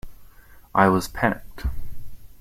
I was panicked.